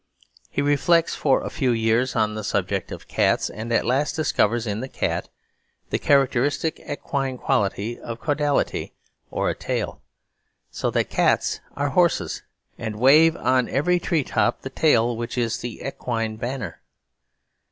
He reflects for a few years on the subject of cats; and at last discovers in the cat "the characteristic equine quality of caudality, or a tail"; so that cats are horses, and wave on every tree top the tail which is the equine banner.